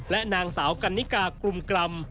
และที่หน้าสาวกันนิกากรุมกรรม